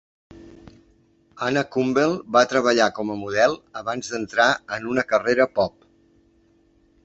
Anna Kumble va treballar com a model abans d'entrar en una carrera pop.